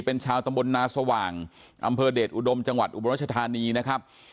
เป็นชาวตำบลนาสว่างอำเภอเดชอุดมจังหวัดอุบรัชธานีนะครับ